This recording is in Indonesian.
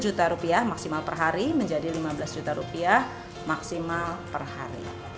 satu juta rupiah maksimal per hari menjadi lima belas juta rupiah maksimal per hari